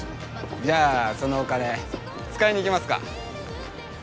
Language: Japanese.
じゃあそのお金使いに行きますか！